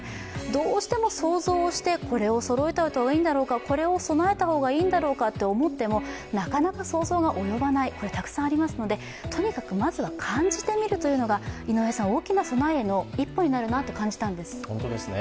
どうしても想像して、これを備えた方がいいんだろうかと思ってもなかなか想像が及ばない、これ、たくさんありますのでとにかくまずは感じてみるというのが大きな備えへの一歩になると感じたんです。